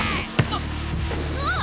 あっ。